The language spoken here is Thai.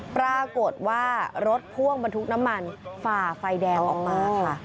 ปรากฏว่ารถพ่วงบรรทุกน้ำมันฝ่าไฟแดงออกมาค่ะ